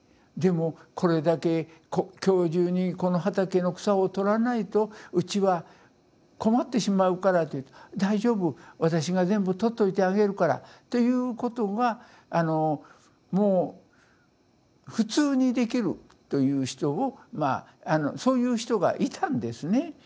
「でもこれだけ今日中にこの畑の草を取らないとうちは困ってしまうから」と言うと「大丈夫私が全部取っといてあげるから」ということがもう普通にできるという人をまあそういう人がいたんですね。